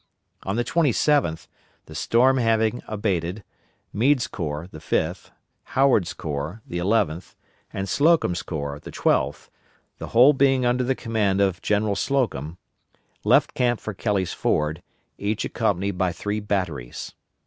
On the 27th, the storm having abated, Meade's corps (the Fifth), Howard's corps (the Eleventh), and Slocum's corps (the Twelfth), the whole being under the command of General Slocum, left camp for Kelly's Ford, each accompanied by three batteries.